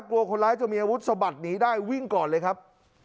กลัวคนร้ายจะมีอาวุธสะบัดหนีได้วิ่งก่อนเลยครับ